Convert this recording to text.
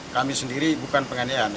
kami sendiri bukan penganiayaan